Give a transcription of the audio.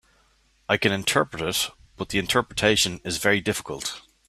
I can interpret it, but the interpretation is very difficult.